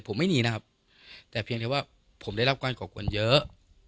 ผมไม่หนีนะครับแต่เพียงแต่ว่าผมได้รับการก่อกวนเยอะ